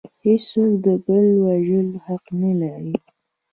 هیڅوک د بل د وژلو حق نلري